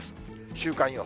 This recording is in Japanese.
週間予報。